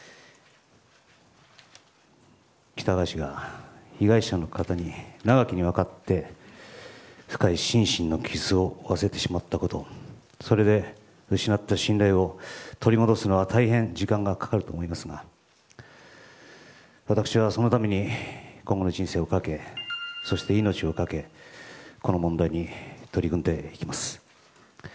喜多川氏が被害者の方に長きにわたって深い心身の傷を負わせてしまったことそれで失った信頼を取り戻すのは大変時間がかかると思いますが私はそのために今後の人生をかけそして命を懸けこの問題に取り組んでいきます。